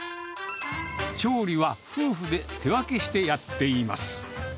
調理は夫婦で手分けしてやっています。